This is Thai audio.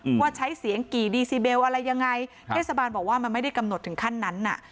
ว่าใช้เสียงกี่ดีซีเบลอะไรยังไงเทศบาลบอกว่ามันไม่ได้กำหนดถึงขั้นนั้นน่ะ